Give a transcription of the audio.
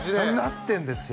なってるんですよ